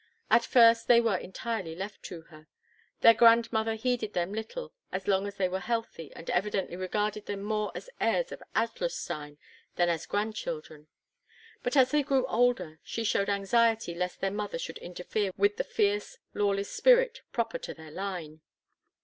At first they were entirely left to her. Their grandmother heeded them little as long as they were healthy, and evidently regarded them more as heirs of Adlerstein than as grandchildren; but, as they grew older, she showed anxiety lest their mother should interfere with the fierce, lawless spirit proper to their line.